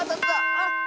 あっ！